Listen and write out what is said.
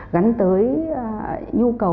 gắn tới nhu cầu